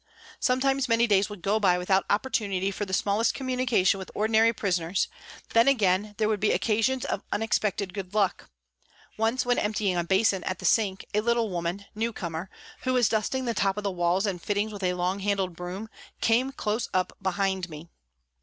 Sometimes many days would go by without opportunity for the smallest communication with K 2 132 PRISONS AND PRISONERS ordinary prisoners, then again there would be occasions of unexpected good luck. Once when emptying a basin at the sink a little woman, new comer, who was dusting the top of the walls and fittings with a long handled broom, came close up behind me.